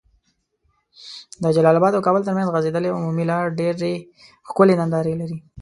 د جلال اباد او کابل تر منځ غځيدلي عمومي لار ډيري ښکلي ننداري لرې